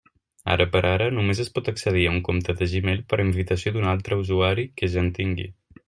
Ara per ara, només es pot accedir a un compte de Gmail per invitació d'un altre usuari que ja en tingui.